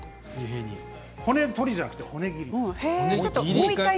骨取りじゃなくて骨切りです。